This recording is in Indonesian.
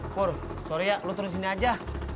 pur sorry ya lu turun sini aja